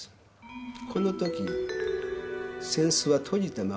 この時扇子は閉じたままです。